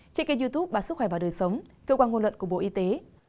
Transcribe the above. trên kênh youtube bà sức khỏe và đời sống cơ quan ngôn luận của bộ y tế